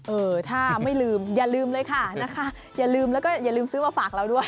เออถ้าไม่ลืมอย่าลืมเลยค่ะนะคะอย่าลืมแล้วก็อย่าลืมซื้อมาฝากเราด้วย